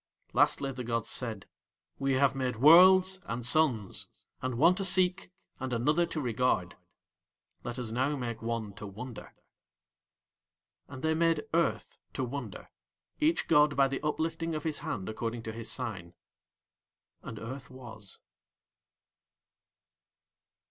Lastly the gods said: "We have made worlds and suns, and one to seek and another to regard, let Us now make one to wonder." And They made Earth to wonder, each god by the uplifting of his hand according to his sign. And Earth was.